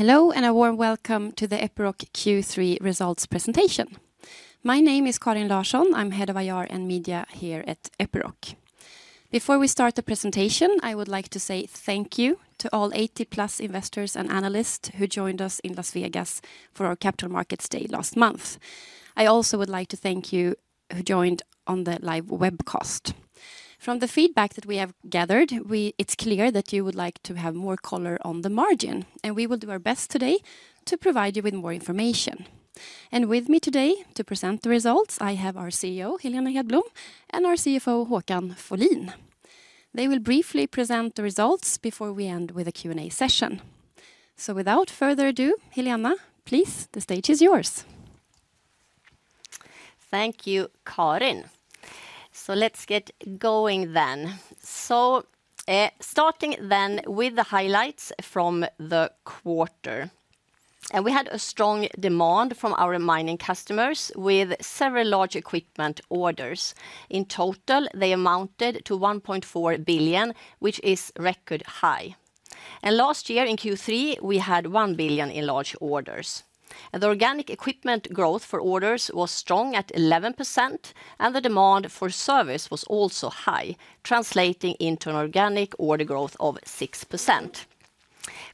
Hello, and a warm welcome to the Epiroc Q3 results presentation. My name is Karin Larsson. I'm head of IR and Media here at Epiroc. Before we start the presentation, I would like to say thank you to all 80+ investors and analysts who joined us in Las Vegas for our Capital Markets Day last month. I also would like to thank you who joined on the live webcast. From the feedback that we have gathered, it's clear that you would like to have more color on the margin, and we will do our best today to provide you with more information, and with me today to present the results, I have our CEO, Helena Hedblom, and our CFO, Håkan Folin. They will briefly present the results before we end with a Q&A session, so without further ado, Helena, please, the stage is yours. Thank you, Karin. Let's get going then. Starting then with the highlights from the quarter, we had a strong demand from our mining customers with several large equipment orders. In total, they amounted to 1.4 billion, which is record high. Last year in Q3, we had 1 billion in large orders. The organic equipment growth for orders was strong at 11%, and the demand for service was also high, translating into an organic order growth of 6%.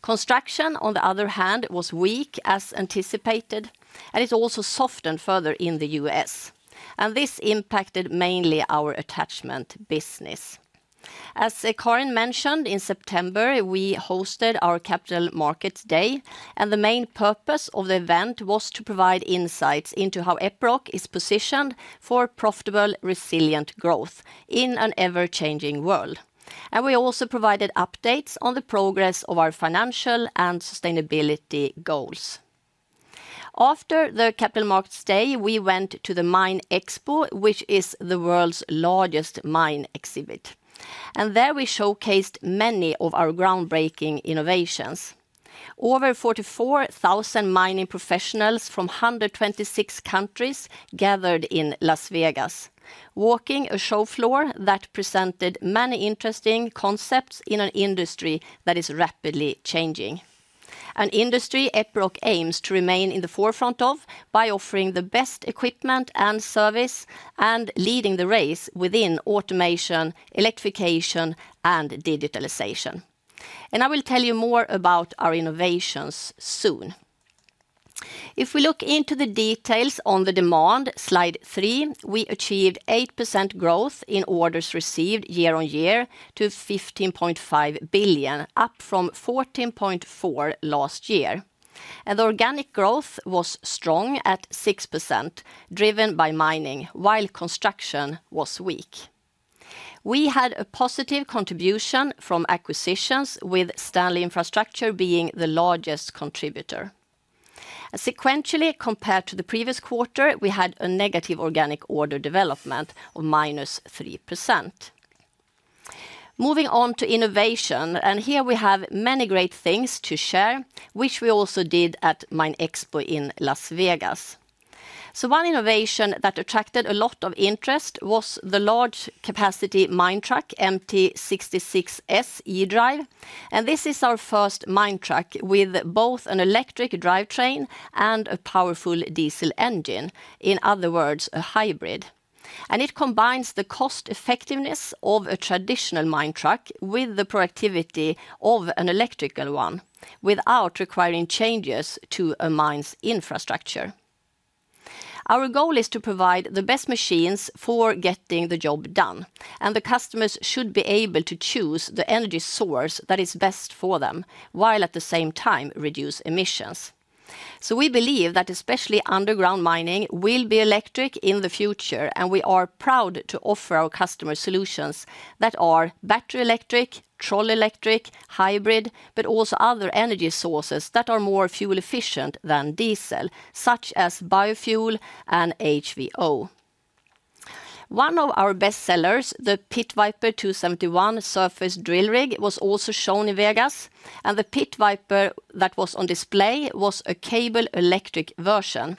Construction, on the other hand, was weak as anticipated, and it also softened further in the U.S., and this impacted mainly our attachment business. As Karin mentioned, in September, we hosted our Capital Markets Day, and the main purpose of the event was to provide insights into how Epiroc is positioned for profitable, resilient growth in an ever-changing world. We also provided updates on the progress of our financial and sustainability goals. After the Capital Markets Day, we went to the MINExpo, which is the world's largest mine exhibit, and there we showcased many of our groundbreaking innovations. Over 44,000 mining professionals from 126 countries gathered in Las Vegas, walking a show floor that presented many interesting concepts in an industry that is rapidly changing. An industry Epiroc aims to remain in the forefront of by offering the best equipment and service, and leading the race within automation, electrification, and digitalization. And I will tell you more about our innovations soon. If we look into the details on the demand, slide 3, we achieved 8% growth in orders received year on year to 15.5 billion, up from 14.4 billion last year. The organic growth was strong at 6%, driven by mining, while construction was weak. We had a positive contribution from acquisitions, with STANLEY Infrastructure being the largest contributor. Sequentially, compared to the previous quarter, we had a negative organic order development of -3%. Moving on to innovation, here we have many great things to share, which we also did at MINExpo in Las Vegas. One innovation that attracted a lot of interest was the large capacity mine truck, MT66 S eDrive. This is our first mine truck with both an electric drivetrain and a powerful diesel engine, in other words, a hybrid. It combines the cost effectiveness of a traditional mine truck with the productivity of an electrical one, without requiring changes to a mine's infrastructure. Our goal is to provide the best machines for getting the job done, and the customers should be able to choose the energy source that is best for them, while at the same time reduce emissions. So we believe that especially underground mining will be electric in the future, and we are proud to offer our customers solutions that are battery electric, trolley electric, hybrid, but also other energy sources that are more fuel efficient than diesel, such as biofuel and HVO. One of our best sellers, the Pit Viper 271 surface drill rig, was also shown in Vegas, and the Pit Viper that was on display was a cable electric version.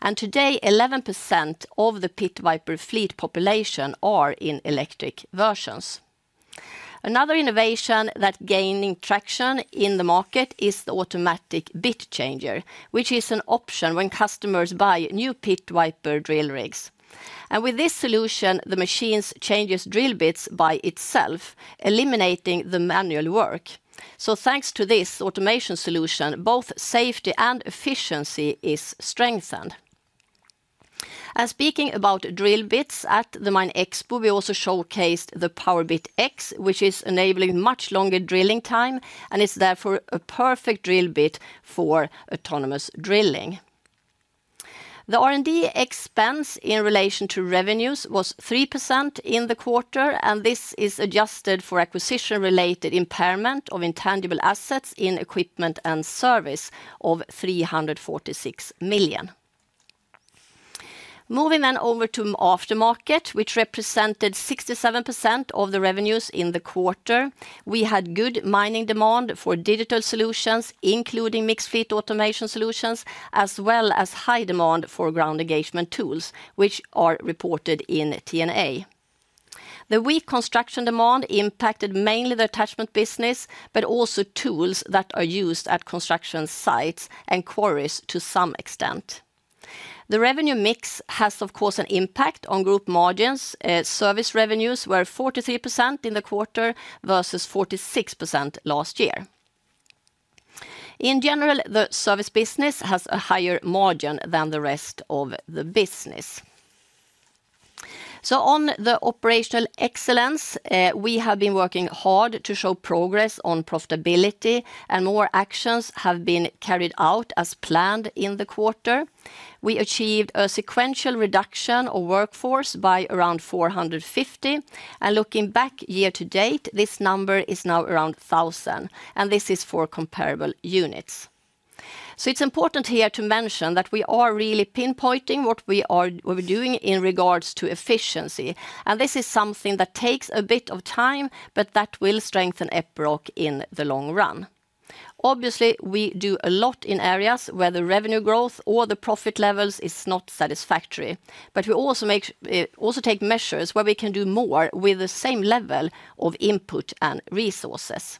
And today, 11% of the Pit Viper fleet population are in electric versions. Another innovation that's gaining traction in the market is the Automatic Bit Changer, which is an option when customers buy new Pit Viper drill rigs. With this solution, the machine changes drill bits by itself, eliminating the manual work. Thanks to this automation solution, both safety and efficiency are strengthened. Speaking about drill bits, at the MINExpo, we also showcased the Powerbit X, which is enabling much longer drilling time and is therefore a perfect drill bit for autonomous drilling. The R&D expense in relation to revenues was 3% in the quarter, and this is adjusted for acquisition-related impairment of intangible assets in equipment and service of 346 million. Moving then over to aftermarket, which represented 67% of the revenues in the quarter. We had good mining demand for digital solutions, including mixed fleet automation solutions, as well as high demand for ground engaging tools, which are reported in TNA. The weak construction demand impacted mainly the attachment business, but also tools that are used at construction sites and quarries to some extent. The revenue mix has, of course, an impact on group margins. Service revenues were 43% in the quarter versus 46% last year. In general, the service business has a higher margin than the rest of the business, so on the operational excellence, we have been working hard to show progress on profitability, and more actions have been carried out as planned in the quarter. We achieved a sequential reduction of workforce by around 450, and looking back year-to-date, this number is now around 1,000, and this is for comparable units. So it's important here to mention that we are really pinpointing what we are, we're doing in regards to efficiency, and this is something that takes a bit of time, but that will strengthen Epiroc in the long run. Obviously, we do a lot in areas where the revenue growth or the profit levels is not satisfactory, but we also make, also take measures where we can do more with the same level of input and resources.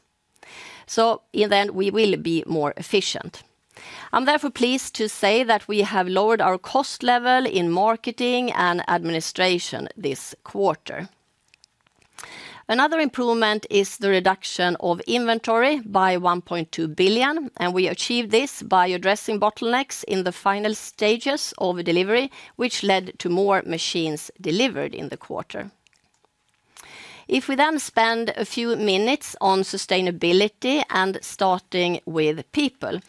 So in the end, we will be more efficient. I'm therefore pleased to say that we have lowered our cost level in marketing and administration this quarter. Another improvement is the reduction of inventory by 1.2 billion, and we achieved this by addressing bottlenecks in the final stages of delivery, which led to more machines delivered in the quarter. If we then spend a few minutes on sustainability, and starting with people,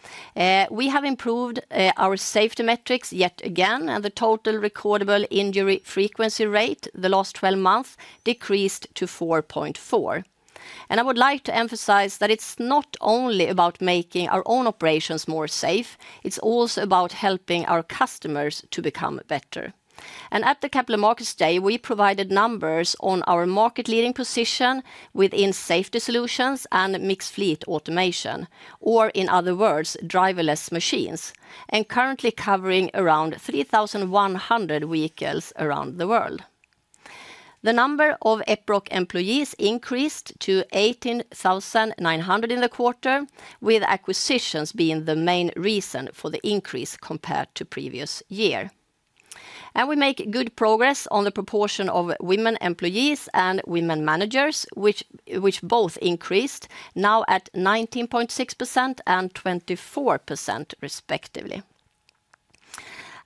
we have improved our safety metrics yet again, and the total recordable injury frequency rate the last 12 months decreased to 4.4. And I would like to emphasize that it's not only about making our own operations more safe, it's also about helping our customers to become better. And at the Capital Markets Day, we provided numbers on our market leading position within safety solutions and mixed fleet automation, or in other words, driverless machines, and currently covering around 3,100 vehicles around the world. The number of Epiroc employees increased to 18,900 in the quarter, with acquisitions being the main reason for the increase compared to previous year. We make good progress on the proportion of women employees and women managers, which both increased, now at 19.6% and 24% respectively.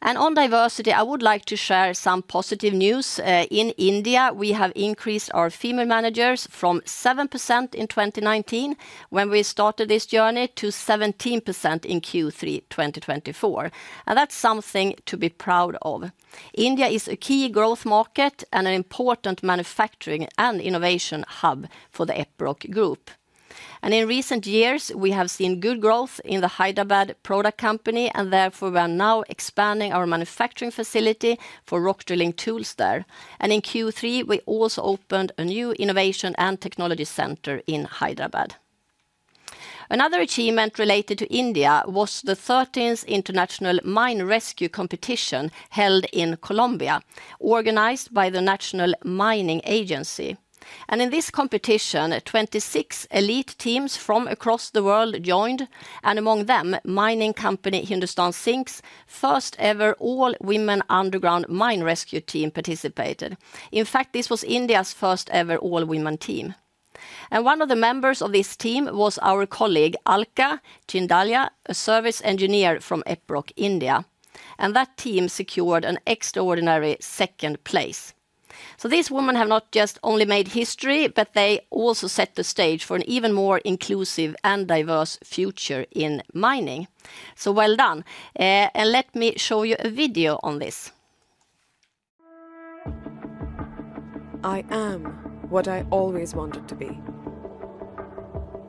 On diversity, I would like to share some positive news. In India, we have increased our female managers from 7% in 2019, when we started this journey, to 17% in Q3 2024, and that's something to be proud of. India is a key growth market and an important manufacturing and innovation hub for the Epiroc Group. In recent years, we have seen good growth in the Hyderabad product company, and therefore we are now expanding our manufacturing facility for rock drilling tools there. In Q3, we also opened a new innovation and technology center in Hyderabad. Another achievement related to India was the 13th International Mine Rescue Competition held in Colombia, organized by the National Mining Agency, and in this competition, 26 elite teams from across the world joined, and among them, mining company Hindustan Zinc's first-ever all-women underground mine rescue team participated. In fact, this was India's first ever all-women team, and one of the members of this team was our colleague, Alka Jindal, a service engineer from Epiroc India, and that team secured an extraordinary second place, so these women have not just only made history, but they also set the stage for an even more inclusive and diverse future in mining, so well done, and let me show you a video on this. I am what I always wanted to be.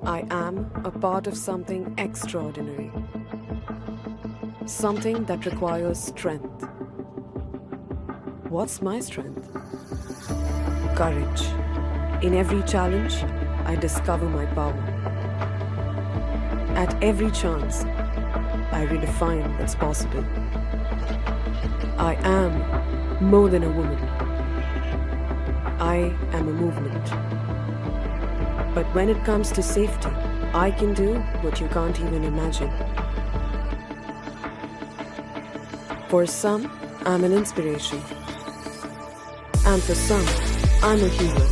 I am a part of something extraordinary, something that requires strength. What's my strength? Courage. In every challenge, I discover my power. At every chance, I redefine what's possible. I am more than a woman. I am a movement. But when it comes to safety, I can do what you can't even imagine. For some, I'm an inspiration, and for some, I'm a hero.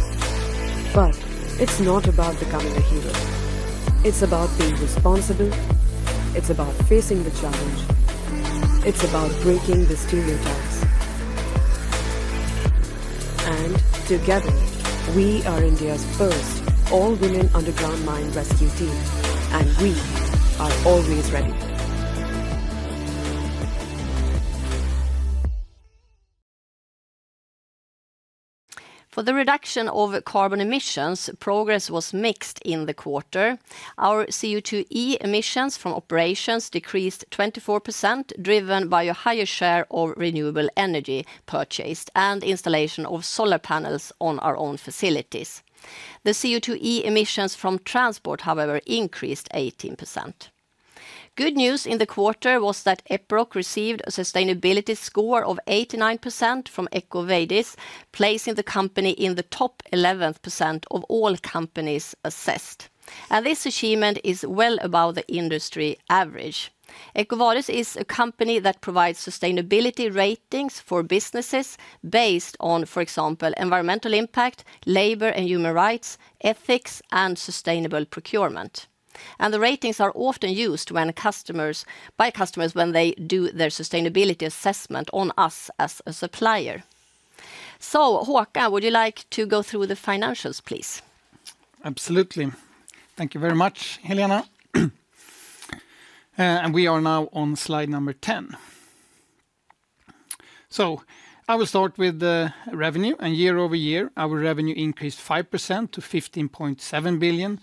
But it's not about becoming a hero. It's about being responsible. It's about facing the challenge. It's about breaking the stereotypes. And together, we are India's first all-women underground mine rescue team, and we are always ready. For the reduction of carbon emissions, progress was mixed in the quarter. Our CO2e emissions from operations decreased 24%, driven by a higher share of renewable energy purchased and installation of solar panels on our own facilities. The CO2e emissions from transport, however, increased 18%. Good news in the quarter was that Epiroc received a sustainability score of 89% from EcoVadis, placing the company in the top 11% of all companies assessed, and this achievement is well above the industry average. EcoVadis is a company that provides sustainability ratings for businesses based on, for example, environmental impact, labor and human rights, ethics, and sustainable procurement, and the ratings are often used by customers when they do their sustainability assessment on us as a supplier. Håkan, would you like to go through the financials, please? Absolutely. Thank you very much, Helena, and we are now on slide number ten, so I will start with the revenue, and year-over-year, our revenue increased 5% to 15.7 billion,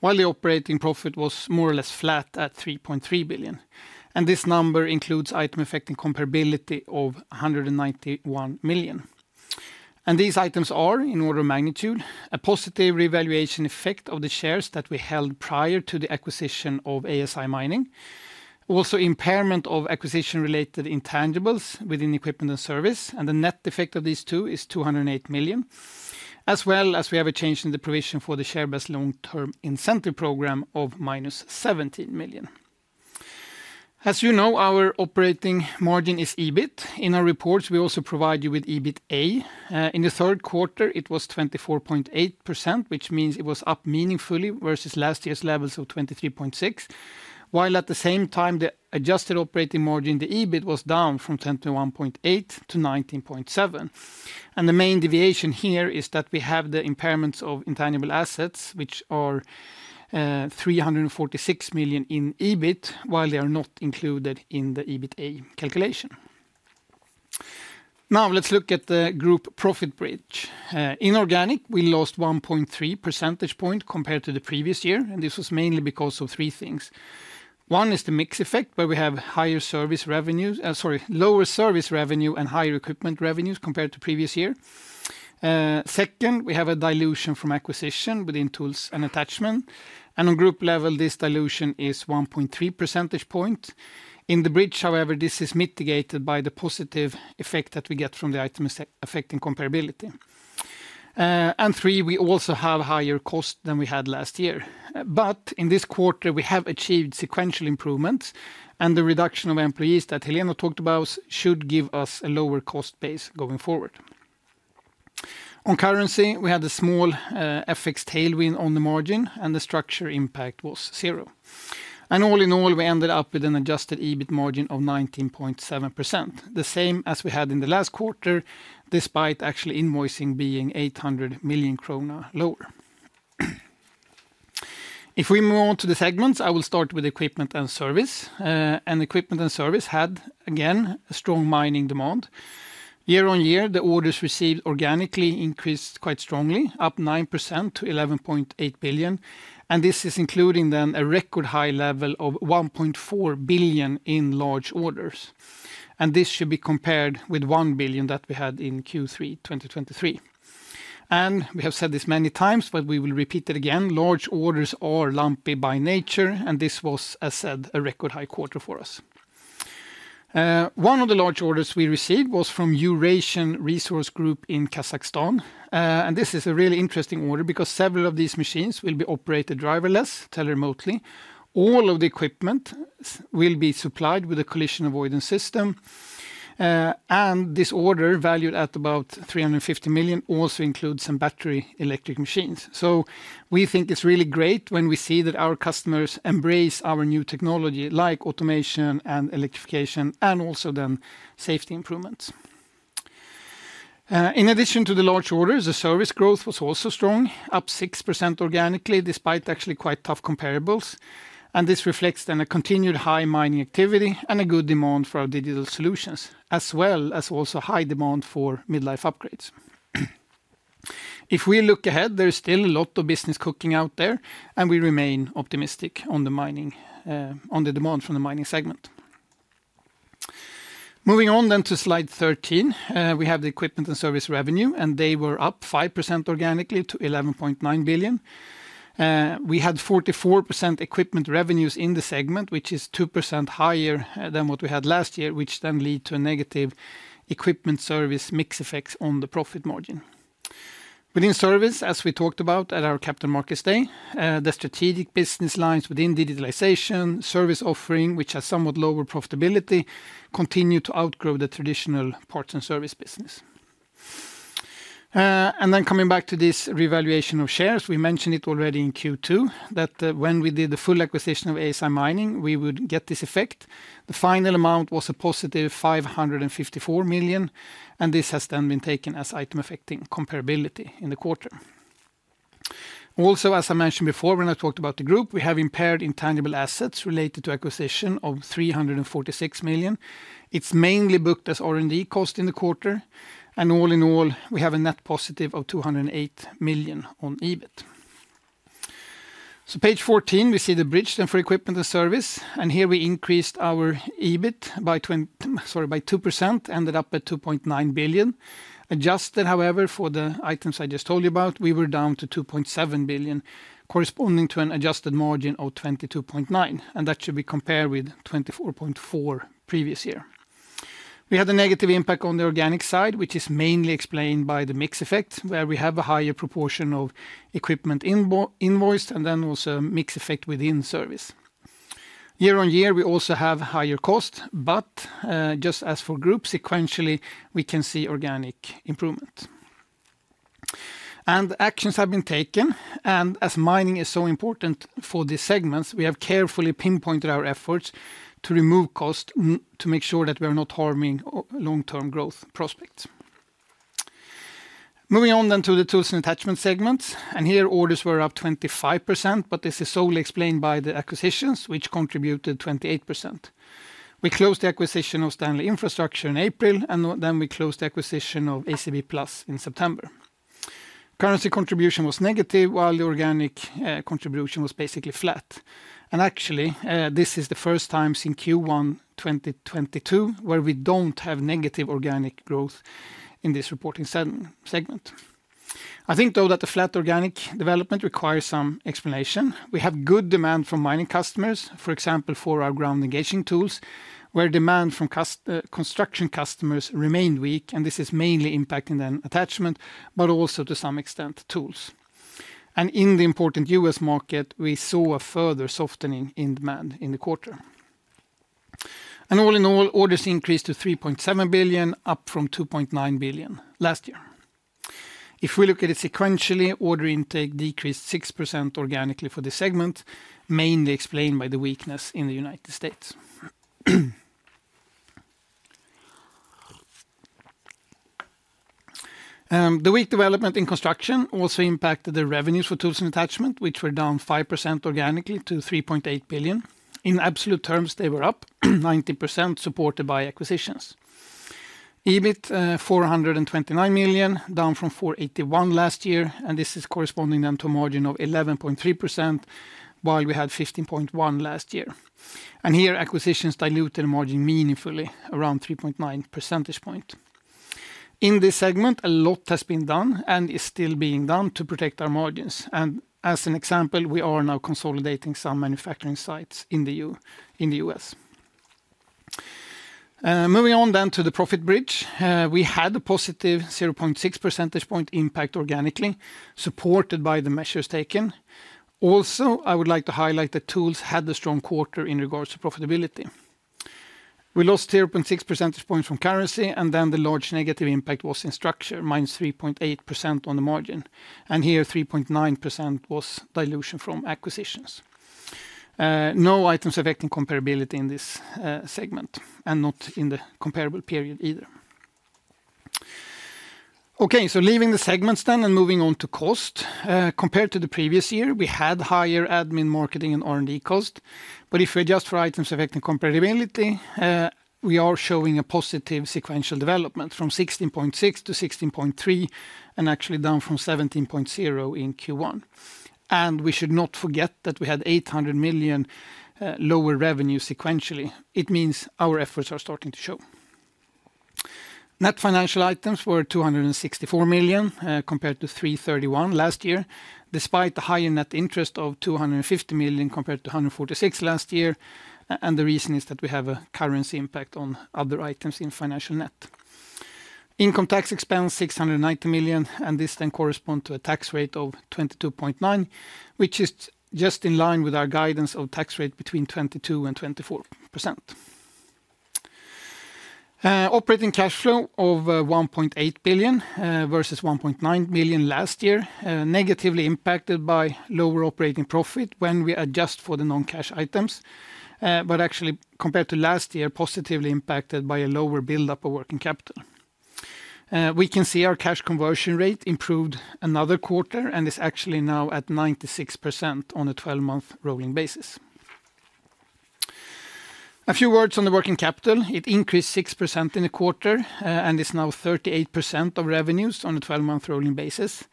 while the operating profit was more or less flat at 3.3 billion. And this number includes item affecting comparability of 191 million. And these items are, in order of magnitude, a positive revaluation effect of the shares that we held prior to the acquisition of ASI Mining. Also, impairment of acquisition-related intangibles within equipment and service, and the net effect of these two is 208 million. As well as we have a change in the provision for the share-based long-term incentive program of -17 million. As you know, our operating margin is EBIT. In our reports, we also provide you with EBITA. In the third quarter, it was 24.8%, which means it was up meaningfully versus last year's levels of 23.6%. While at the same time, the adjusted operating margin, the EBIT, was down from 10% to 1.8% to 19.7%. And the main deviation here is that we have the impairments of intangible assets, which are 346 million in EBIT, while they are not included in the EBITA calculation. Now, let's look at the group profit bridge. Inorganic, we lost 1.3 percentage point compared to the previous year, and this was mainly because of three things. One is the mix effect, where we have lower service revenue and higher equipment revenues compared to previous year. Second, we have a dilution from acquisition within tools and attachment. On group level, this dilution is 1.3 percentage point. In the bridge, however, this is mitigated by the positive effect that we get from the items affecting comparability. And three, we also have higher cost than we had last year. But in this quarter, we have achieved sequential improvements, and the reduction of employees that Helena talked about should give us a lower cost base going forward. On currency, we had a small, FX tailwind on the margin, and the structure impact was zero. And all in all, we ended up with an adjusted EBIT margin of 19.7%, the same as we had in the last quarter, despite actually invoicing being 800 million krona lower. If we move on to the segments, I will start with equipment and service. And equipment and service had, again, a strong mining demand. Year on year, the orders received organically increased quite strongly, up 9% to 11.8 billion, and this is including then a record high level of 1.4 billion in large orders. This should be compared with 1 billion that we had in Q3 2023. We have said this many times, but we will repeat it again: large orders are lumpy by nature, and this was, as said, a record high quarter for us. One of the large orders we received was from Eurasian Resources Group in Kazakhstan. And this is a really interesting order because several of these machines will be operated driverless, tele-remotely. All of the equipment will be supplied with a collision avoidance system. And this order, valued at about 350 million, also includes some battery electric machines. So we think it's really great when we see that our customers embrace our new technology, like automation and electrification, and also then safety improvements. In addition to the large orders, the service growth was also strong, up 6% organically, despite actually quite tough comparables. And this reflects then a continued high mining activity and a good demand for our digital solutions, as well as also high demand for mid-life upgrades. If we look ahead, there is still a lot of business cooking out there, and we remain optimistic on the mining, on the demand from the mining segment. Moving on then to slide 13, we have the equipment and service revenue, and they were up 5% organically to 11.9 billion. We had 44% equipment revenues in the segment, which is 2% higher than what we had last year, which then led to a negative equipment service mix effect on the profit margin. Within service, as we talked about at our Capital Markets Day, the strategic business lines within digitalization, service offering, which has somewhat lower profitability, continue to outgrow the traditional parts and service business. Then coming back to this revaluation of shares, we mentioned it already in Q2, that when we did the full acquisition of ASI Mining, we would get this effect. The final amount was a +554 million, and this has then been taken as item affecting comparability in the quarter. Also, as I mentioned before, when I talked about the group, we have impaired intangible assets related to acquisition of 346 million. It's mainly booked as R&D cost in the quarter, and all in all, we have a net positive of 208 million on EBIT. So page 14, we see the bridge then for equipment and service, and here we increased our EBIT by 2%, sorry, ended up at 2.9 billion. Adjusted, however, for the items I just told you about, we were down to 2.7 billion, corresponding to an adjusted margin of 22.9%, and that should be compared with 24.4% previous year. We had a negative impact on the organic side, which is mainly explained by the mix effect, where we have a higher proportion of equipment invoiced, and then also mix effect within service. Year-on-year, we also have higher cost, but just as for group sequentially, we can see organic improvement. And actions have been taken, and as mining is so important for these segments, we have carefully pinpointed our efforts to remove cost to make sure that we are not harming long-term growth prospects. Moving on then to the Tools and Attachment segments, and here, orders were up 25%, but this is solely explained by the acquisitions, which contributed 28%. We closed the acquisition of STANLEY Infrastructure in April, and then we closed the acquisition of ACB+ in September. Currency contribution was negative, while the organic contribution was basically flat. And actually, this is the first time since Q1 2022, where we don't have negative organic growth in this reporting segment. I think, though, that the flat organic development requires some explanation. We have good demand from mining customers, for example, for our ground engaging tools, where demand from construction customers remain weak, and this is mainly impacting the attachment, but also to some extent, tools. And in the important U.S. market, we saw a further softening in demand in the quarter. All in all, orders increased to 3.7 billion, up from 2.9 billion last year. If we look at it sequentially, order intake decreased 6% organically for the segment, mainly explained by the weakness in the United States. The weak development in construction also impacted the revenues for tools and attachments, which were down 5% organically to 3.8 billion. In absolute terms, they were up 90% supported by acquisitions. EBIT 429 million, down from 481 million last year, and this is corresponding then to a margin of 11.3%, while we had 15.1% last year. Here, acquisitions diluted the margin meaningfully around 3.9 percentage points. In this segment, a lot has been done and is still being done to protect our margins, and as an example, we are now consolidating some manufacturing sites in the U.S. Moving on then to the profit bridge, we had a +0.6 percentage point impact organically, supported by the measures taken. Also, I would like to highlight that tools had a strong quarter in regards to profitability. We lost 0.6 percentage points from currency, and then the large negative impact was in Service, minus 3.8% on the margin. And here, 3.9% was dilution from acquisitions. No items affecting comparability in this segment, and not in the comparable period either. Okay, so leaving the segments then and moving on to cost. Compared to the previous year, we had higher admin, marketing, and R&D cost. But if we adjust for items affecting comparability, we are showing a positive sequential development from 16.6% to 16.3%, and actually down from 17.0% in Q1. And we should not forget that we had 800 million lower revenue sequentially. It means our efforts are starting to show. Net financial items were 264 million compared to 331 million last year, despite the higher net interest of 250 million, compared to 146 million last year, and the reason is that we have a currency impact on other items in financial net. Income tax expense, 690 million, and this then correspond to a tax rate of 22.9%, which is just in line with our guidance of tax rate between 22% and 24%. Operating cash flow of 1.8 billion versus 1.9 million last year, negatively impacted by lower operating profit when we adjust for the non-cash items, but actually, compared to last year, positively impacted by a lower buildup of working capital. We can see our cash conversion rate improved another quarter and is actually now at 96% on a 12-month rolling basis. A few words on the working capital. It increased 6% in a quarter, and is now 38% of revenues on a 12-month rolling basis.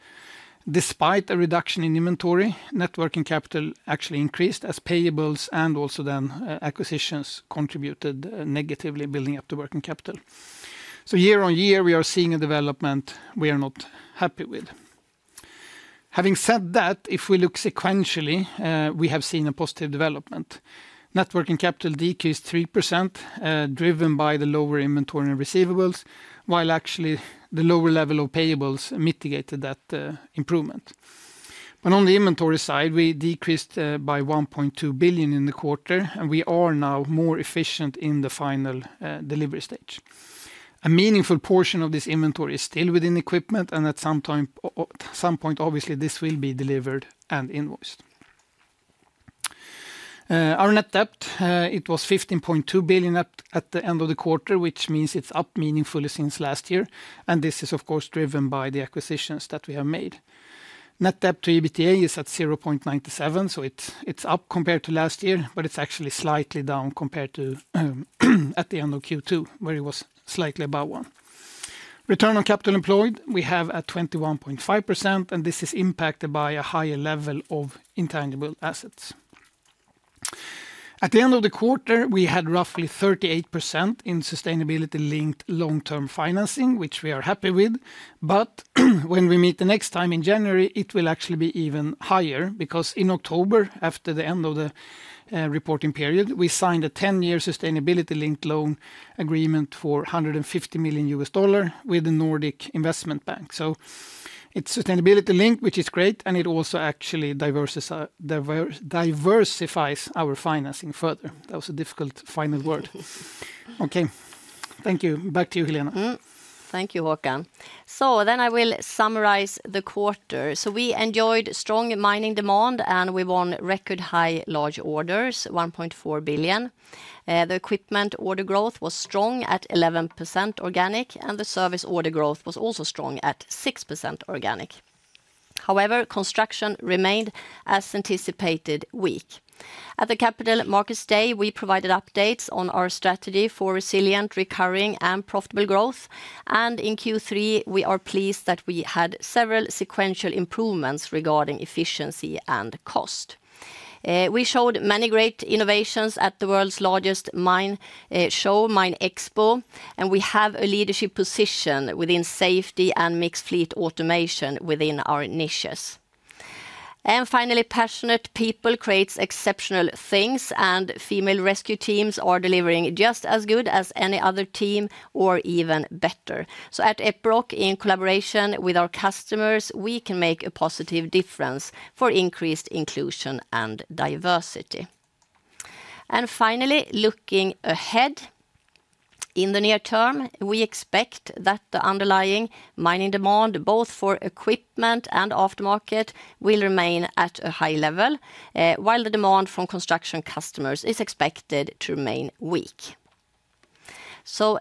Despite a reduction in inventory, net working capital actually increased as payables and also then, acquisitions contributed negatively building up the working capital. So year-on-year, we are seeing a development we are not happy with. Having said that, if we look sequentially, we have seen a positive development. Net working capital decreased 3%, driven by the lower inventory and receivables, while actually the lower level of payables mitigated that improvement. But on the inventory side, we decreased by 1.2 billion in the quarter, and we are now more efficient in the final delivery stage. A meaningful portion of this inventory is still within equipment, and at some time, some point, obviously, this will be delivered and invoiced. Our net debt, it was 15.2 billion at the end of the quarter, which means it's up meaningfully since last year, and this is, of course, driven by the acquisitions that we have made. Net debt to EBITDA is at 0.97%, so it's up compared to last year, but it's actually slightly down compared to at the end of Q2, where it was slightly above one. Return on capital employed, we have at 21.5%, and this is impacted by a higher level of intangible assets. At the end of the quarter, we had roughly 38% in sustainability-linked long-term financing, which we are happy with. But when we meet the next time in January, it will actually be even higher, because in October, after the end of the reporting period, we signed a 10-year sustainability-linked loan agreement for $150 million with the Nordic Investment Bank. So it's sustainability-linked, which is great, and it also actually diversifies our financing further. That was a difficult final word. Okay, thank you. Back to you, Helena. Thank you, Håkan. I will summarize the quarter. We enjoyed strong mining demand, and we won record high large orders, 1.4 billion. The equipment order growth was strong at 11% organic, and the service order growth was also strong at 6% organic. However, construction remained, as anticipated, weak. At the Capital Markets Day, we provided updates on our strategy for resilient, recurring, and profitable growth, and in Q3, we are pleased that we had several sequential improvements regarding efficiency and cost. We showed many great innovations at the world's largest mining show, MINExpo, and we have a leadership position within safety and mixed fleet automation within our niches. Finally, passionate people creates exceptional things, and female rescue teams are delivering just as good as any other team or even better. At Epiroc, in collaboration with our customers, we can make a positive difference for increased inclusion and diversity. Finally, looking ahead, in the near term, we expect that the underlying mining demand, both for equipment and aftermarket, will remain at a high level, while the demand from construction customers is expected to remain weak.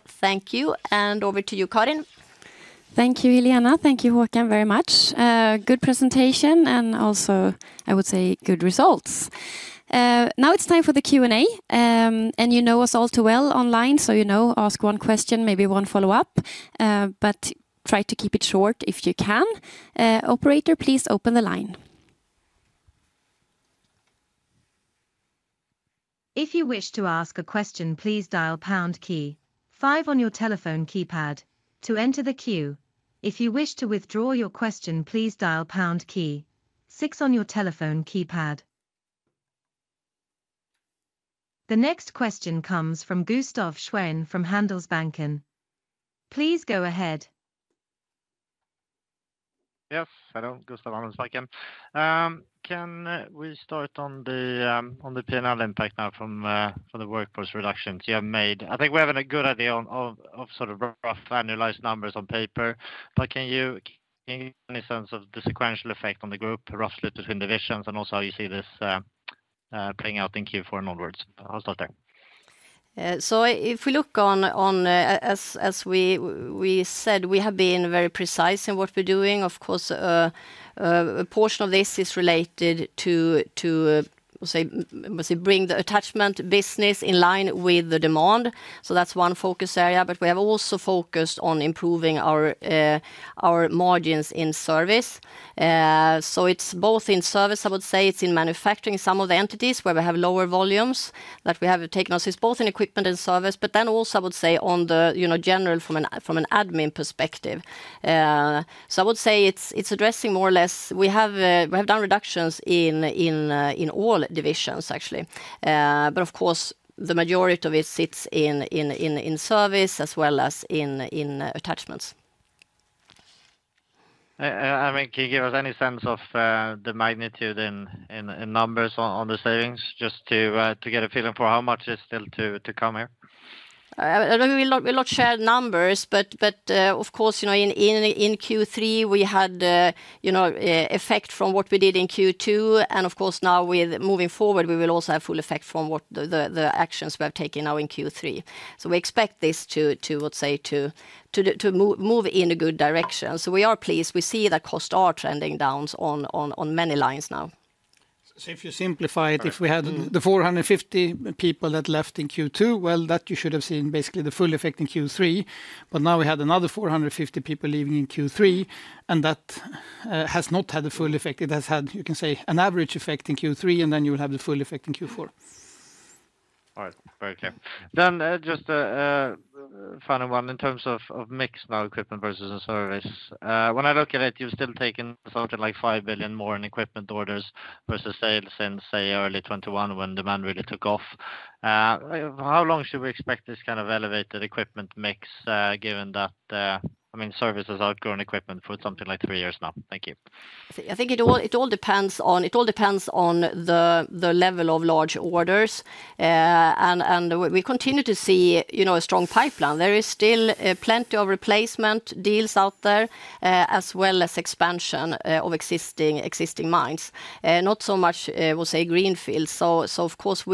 Thank you, and over to you, Karin. Thank you, Helena. Thank you, Håkan, very much. Good presentation, and also, I would say, good results. Now it's time for the Q&A, and you know us all too well online, so you know, ask one question, maybe one follow-up, but try to keep it short if you can. Operator, please open the line. If you wish to ask a question, please dial pound key five on your telephone keypad to enter the queue. If you wish to withdraw your question, please dial pound key six on your telephone keypad. The next question comes from Gustaf Schwerin from Handelsbanken. Please go ahead. Yes, hello, Gustaf, Handelsbanken. Can we start on the, on the P&L impact now from, from the workforce reductions you have made? I think we're having a good idea on, of, of sort of rough annualized numbers on paper, but can you give any sense of the sequential effect on the group, roughly between divisions, and also how you see this, playing out in Q4 and onwards? I'll start there. So if we look on, as we said, we have been very precise in what we're doing. Of course, a portion of this is related to, say, must bring the attachment business in line with the demand, so that's one focus area. But we have also focused on improving our margins in service. So it's both in service, I would say it's in manufacturing. Some of the entities where we have lower volumes, that we have taken us, is both in equipment and service, but then also, I would say, on the, you know, general from an admin perspective. So I would say it's addressing more or less. We have done reductions in all divisions, actually. But of course, the majority of it sits in service as well as in attachments. I mean, can you give us any sense of the magnitude in numbers on the savings, just to get a feeling for how much is still to come here? We do not share numbers, but of course, you know, in Q3, we had effect from what we did in Q2. And of course, now moving forward, we will also have full effect from what the actions we have taken now in Q3. So we expect this to, let's say, to move in a good direction. So we are pleased. We see the costs are trending down on many lines now. So if you simplify it- Right. If we had the 450 people that left in Q2, well, that you should have seen basically the full effect in Q3. But now we had another 450 people leaving in Q3, and that has not had a full effect. It has had, you can say, an average effect in Q3, and then you will have the full effect in Q4. All right. Okay. Then, just a final one in terms of mix now, equipment versus service. When I look at it, you've still taken something like 5 billion more in equipment orders versus sales since, say, early 2021, when demand really took off. How long should we expect this kind of elevated equipment mix, given that, I mean, service has outgrown equipment for something like three years now? Thank you. I think it all depends on the level of large orders. And we continue to see, you know, a strong pipeline. There is still plenty of replacement deals out there, as well as expansion of existing mines. Not so much, we'll say greenfield. So of course,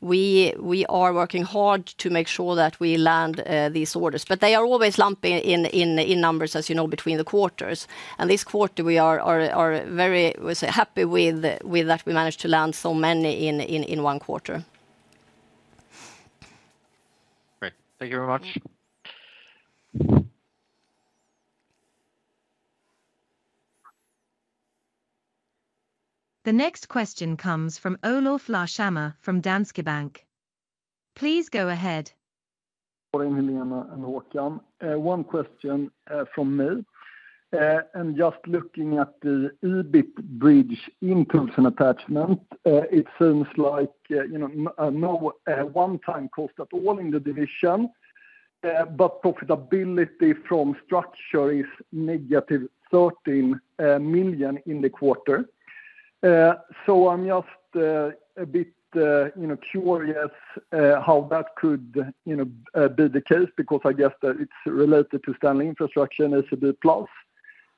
we are working hard to make sure that we land these orders, but they are always lumpy in numbers, as you know, between the quarters. This quarter, we are very, we say, happy with that we managed to land so many in one quarter. Great. Thank you very much. The next question comes from Olof Larshammar from Danske Bank. Please go ahead. Hello, Helena and Håkan. One question from me. Just looking at the EBIT bridge inputs and attachment, it seems like you know no one-time cost at all in the division. But profitability from restructuring is -13 million in the quarter. I'm just a bit you know curious how that could you know be the case, because I guess that it's related to STANLEY Infrastructure and ACB+.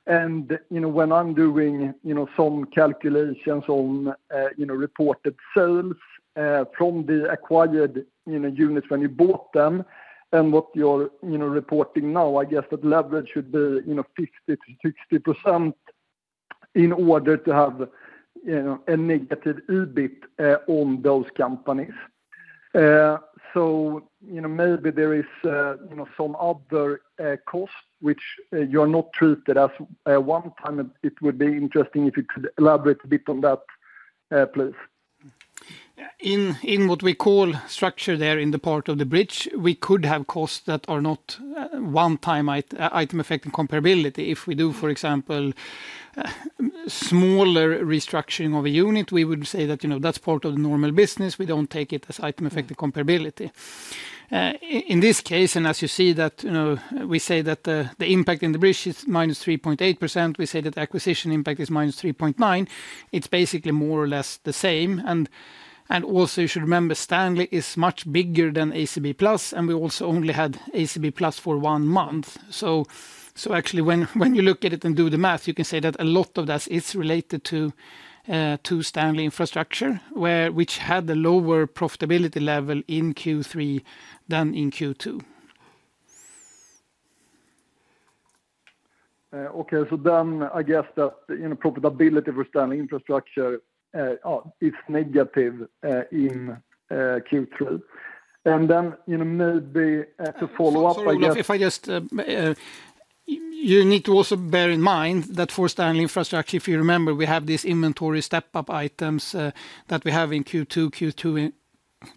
And you know when I'm doing you know some calculations on you know reported sales from the acquired you know units when you bought them and what you're you know reporting now, I guess that leverage should be you know 50%-60% in order to have you know a negative EBIT on those companies. So, you know, maybe there is some other cost which you're not treated as one time. It would be interesting if you could elaborate a bit on that, please. Yeah. In what we call structure there in the part of the bridge, we could have costs that are not one time item affecting comparability. If we do, for example, smaller restructuring of a unit, we would say that, you know, that's part of the normal business. We don't take it as item affecting comparability. In this case, and as you see that, you know, we say that the impact in the bridge is -3.8%. We say that the acquisition impact is -3.9%. It's basically more or less the same. And also, you should remember, STANLEY is much bigger than ACB+, and we also only had ACB+ for one month. Actually, when you look at it and do the math, you can say that a lot of that is related to STANLEY Infrastructure, which had the lower profitability level in Q3 than in Q2. Okay, so then I guess that, you know, profitability for STANLEY Infrastructure is negative in Q3, and then, you know, maybe to follow up, I guess- Sorry, Olof, if I just you need to also bear in mind that for STANLEY Infrastructure, if you remember, we have these inventory step-up items that we have in Q2,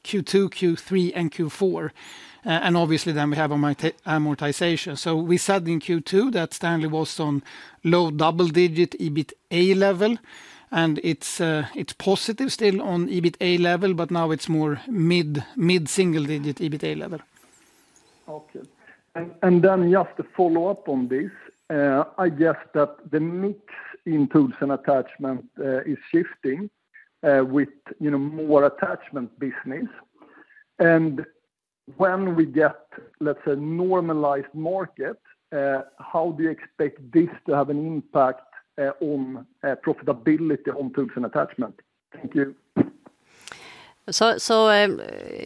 Q3, and Q4. And obviously, then we have amortization. We said in Q2 that STANLEY was on low double digit EBITA level, and it's positive still on EBITA level, but now it's more mid-single digit EBITA level. Okay. And then just to follow up on this, I guess that the mix in tools and attachment is shifting with, you know, more attachment business. And when we get, let's say, normalized market, how do you expect this to have an impact on profitability on tools and attachment? Thank you. So,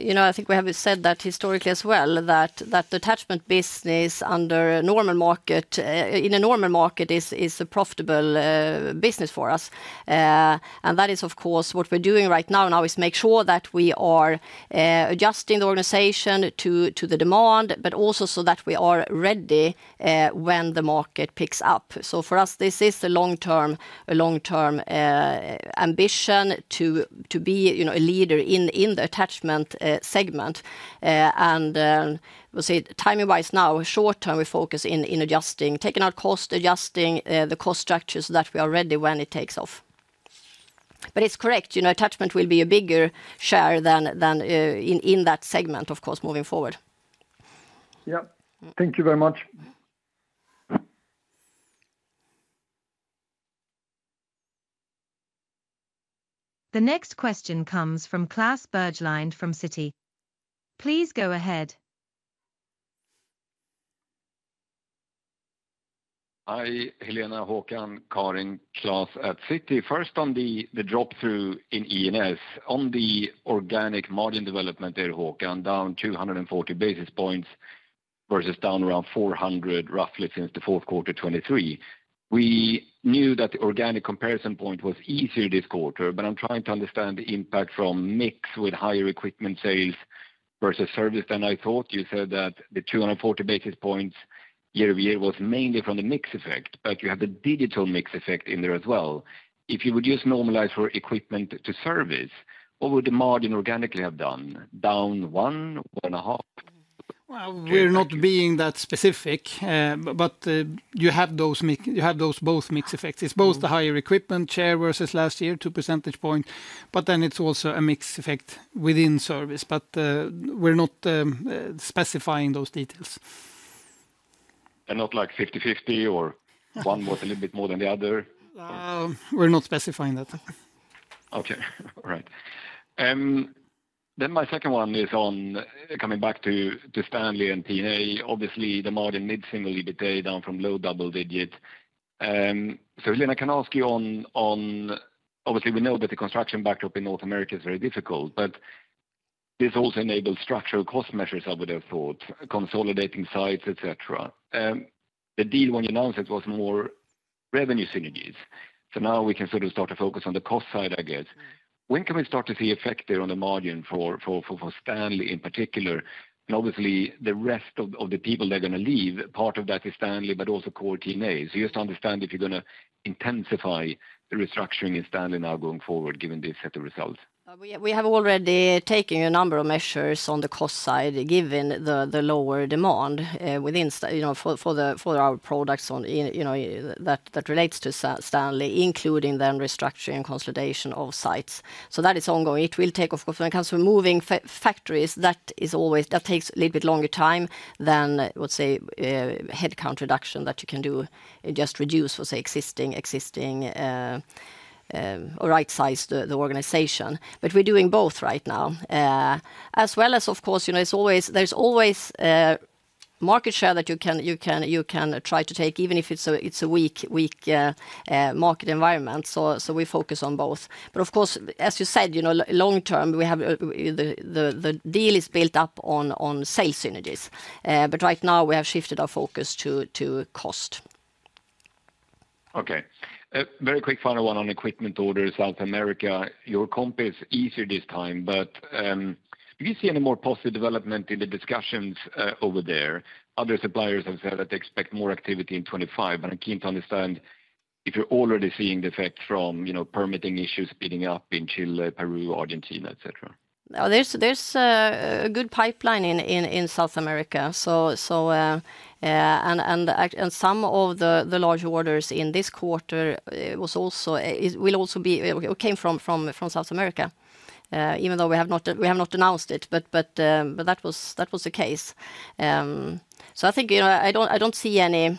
you know, I think we have said that historically as well, that the attachment business under a normal market, in a normal market is a profitable business for us. And that is, of course, what we're doing right now is make sure that we are adjusting the organization to the demand, but also so that we are ready when the market picks up. So for us, this is the long term, a long-term ambition to be, you know, a leader in the attachment segment. And we'll say timing-wise now, short term, we focus in adjusting, taking out cost, adjusting the cost structure so that we are ready when it takes off. But it's correct, you know, attachment will be a bigger share than in that segment, of course, moving forward. Yep. Thank you very much. The next question comes from Klas Bergelind from Citi. Please go ahead. Hi, Helena, Håkan, Karin, Klas at Citi. First, on the drop-through in E&S. On the organic margin development there, Håkan, down 240 basis points, versus down around 400 basis points, roughly since the fourth quarter 2023. We knew that the organic comparison point was easier this quarter, but I'm trying to understand the impact from mix with higher equipment sales versus service. And I thought you said that the 240 basis points year-over-year was mainly from the mix effect, but you have the digital mix effect in there as well. If you would just normalize for equipment to service, what would the margin organically have done? Down one, one and a half percentage point? We're not being that specific, but you have those both mix effects. It's both the higher equipment share versus last year, two percentage point, but then it's also a mix effect within service. But we're not specifying those details. Not, like, 50/50 or one was a little bit more than the other? We're not specifying that. Okay. All right, then my second one is on, coming back to STANLEY and TNA. Obviously, the margin mid-single EBITA, down from low double digits. So then I can ask you on. Obviously, we know that the construction backdrop in North America is very difficult, but this also enables structural cost measures, I would have thought, consolidating sites, et cetera. The deal when you announced it was more revenue synergies. So now we can sort of start to focus on the cost side, I guess. When can we start to see effect there on the margin for STANLEY in particular? And obviously, the rest of the people that are going to leave, part of that is STANLEY, but also core TNA. So just to understand if you're going to intensify the restructuring in STANLEY now going forward, given this set of results? .We have already taken a number of measures on the cost side, given the lower demand within STANLEY, you know, for our products in, you know, that relates to STANLEY, including the restructuring and consolidation of sites. So that is ongoing. It will take, of course, when it comes to moving factories, that is always that takes a little bit longer time than, let's say, headcount reduction that you can do, just reduce, let's say, existing or rightsize the organization. But we're doing both right now. As well as, of course, you know, it's always there's always market share that you can try to take, even if it's a weak market environment. So we focus on both. But of course, as you said, you know, long term, we have the deal is built up on sales synergies. But right now, we have shifted our focus to cost. Okay. Very quick final one on equipment orders, South America. Your comp is easier this time, but, do you see any more positive development in the discussions, over there? Other suppliers have said that they expect more activity in 2025, but I'm keen to understand if you're already seeing the effect from, you know, permitting issues speeding up in Chile, Peru, Argentina, et cetera. There's a good pipeline in South America, and some of the large orders in this quarter was also. It will also be. It came from South America. Even though we have not announced it, but that was the case. So I think, you know, I don't see any.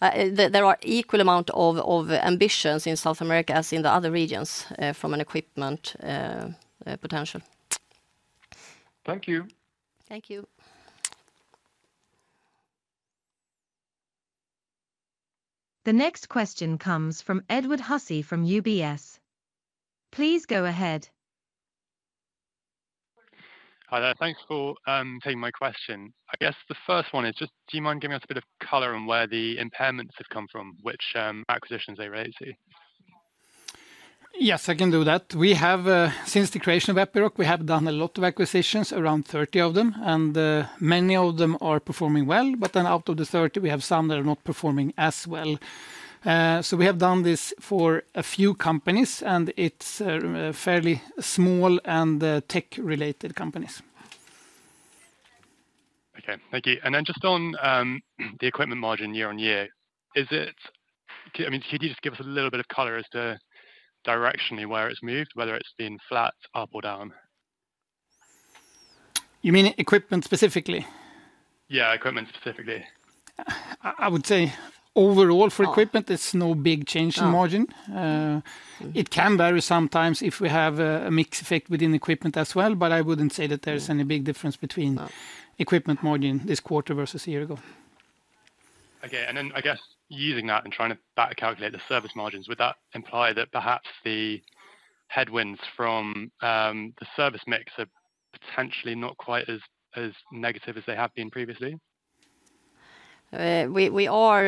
There are equal amount of ambitions in South America as in the other regions, from an equipment potential. Thank you. Thank you. The next question comes from Edward Hussey from UBS. Please go ahead. Hi there. Thanks for taking my question. I guess the first one is just, do you mind giving us a bit of color on where the impairments have come from, which acquisitions they relate to? Yes, I can do that. We have, since the creation of Epiroc, we have done a lot of acquisitions, around 30 of them, and many of them are performing well. But then out of the 30, we have some that are not performing as well. So we have done this for a few companies, and it's fairly small and tech-related companies. Okay, thank you. And then just on the equipment margin year-on-year, is it? I mean, can you just give us a little bit of color as to directionally where it's moved, whether it's been flat, up, or down? You mean equipment, specifically? Yeah, equipment, specifically. I would say overall for equipment, there's no big change in margin. It can vary sometimes if we have a mix effect within equipment as well, but I wouldn't say that there's any big difference between equipment margin this quarter versus a year ago. Okay, and then, I guess, using that and trying to back-calculate the service margins, would that imply that perhaps the headwinds from the service mix are potentially not quite as negative as they have been previously? We are,